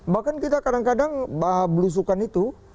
bahkan kita kadang kadang belusukan itu